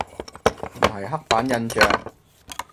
唔係刻板印象